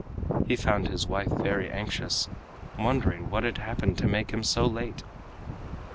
He found his wife very anxious, wondering what had happened to make him so late.